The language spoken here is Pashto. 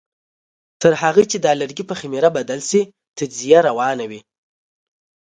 تر هغه چې د لرګي په خمېره بدل شي تجزیه روانه وي.